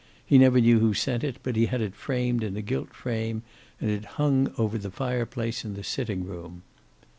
He never knew who sent it, but he had it framed in a gilt frame, and it hung over the fireplace in the sitting room.